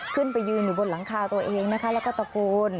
ขึ้นไปยืนอยู่บนหลังคาตัวเองนะคะแล้วก็ตะโกน